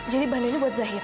jadi bando ini buat zahira